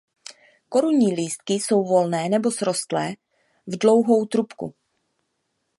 Korunní lístky jsou volné nebo srostlé v dlouhou trubku.